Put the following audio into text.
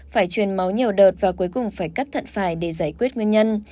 phải truyền máu nhiều đợt và cuối cùng phải cắt thận phải để giải quyết nguyên nhân